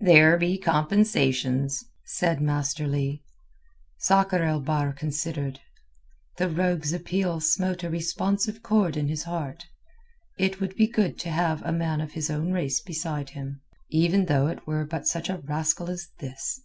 "There be compensations," said Master Leigh. Sakr el Bahr considered. The rogue's appeal smote a responsive chord in his heart. It would be good to have a man of his own race beside him, even though it were but such a rascal as this.